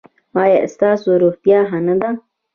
ایا ستاسو روغتیا ښه نه ده؟